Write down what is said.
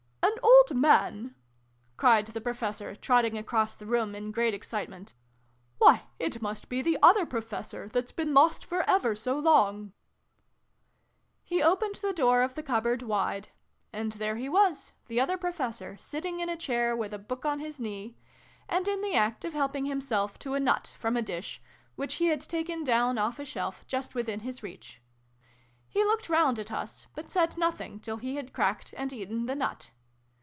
"An old man!" cried the Professor, trotting across the room in great excitement. " Why, it must be the Other Professor, that's been lost for ever so long !" XX] GAMMON AND SPINACH. 317 He opened the door of the cup board wide : and there he was, the Other Professor, sitting in a chair, with a book on his knee, and in the act of help ing himself to a nut from a dish, which he had ta ken down off a shelf just within his reach. He looked round at us, but said nothing till he had cracked and eaten the nut.